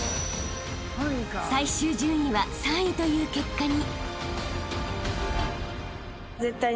［最終順位は３位という結果に］